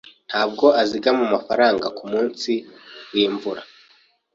Ntabwo azigama amafaranga kumunsi wimvura.